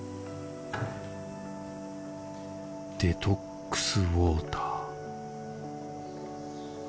デトックスウォーター